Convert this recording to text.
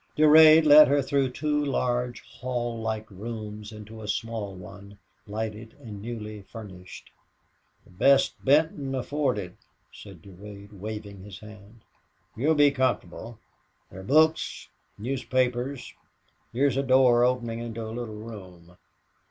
Durade led her through two large hall like rooms into a small one, light and newly furnished. "The best Benton afforded," said Durade, waving his hand. "You'll be comfortable. There are books newspapers. Here's a door opening into a little room.